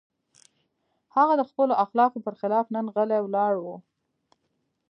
هغه د خپلو اخلاقو پر خلاف نن غلی ولاړ و.